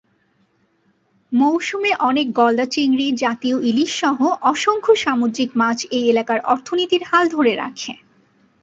মৌসুমে অনেক গলদা চিংড়ি, জাতীয় ইলিশ সহ অসংখ্য সামুদ্রিক মাছ এই এলাকার অর্থনীতির হাল ধরে রাখে।